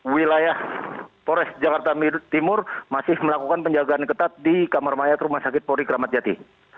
wilayah pores jakarta timur masih melakukan penjagaan ketat di kamar mayat rumah sakit polri kramat jati